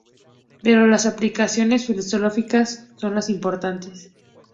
Pero las aplicaciones filosóficas son las más importantes.